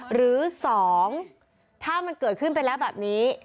หรือ๒ถ้ามันเกิดขึ้นไปแล้วแบบนี้